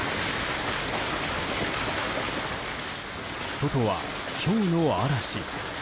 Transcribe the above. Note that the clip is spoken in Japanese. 外は、ひょうの嵐。